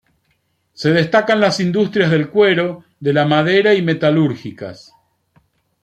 Se destacan las industrias del cuero, de la madera y metalúrgicas.